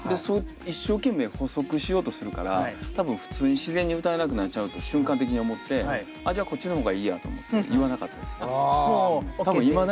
一生懸命補足しようとするから多分普通に自然に歌えなくなっちゃうと瞬間的に思ってじゃあこっちの方がいいやと思って言わなかったです。